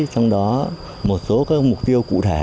trong đó một số các mục tiêu cụ thể